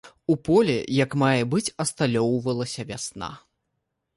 У полі як мае быць асталёўвалася вясна.